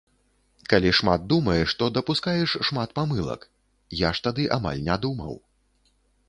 Калі шмат думаеш, то дапускаеш шмат памылак, я ж тады амаль не думаў.